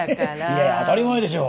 いやいや当たり前でしょ！